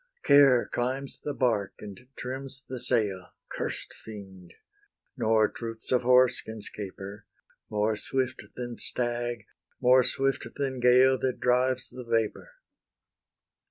Care climbs the bark, and trims the sail, Curst fiend! nor troops of horse can 'scape her, More swift than stag, more swift than gale That drives the vapour.